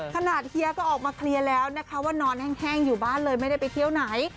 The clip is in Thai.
เฮียก็ออกมาเคลียร์แล้วนะคะว่านอนแห้งอยู่บ้านเลยไม่ได้ไปเที่ยวไหน